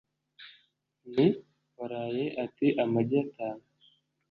nti : waraye, ati; amagi atanu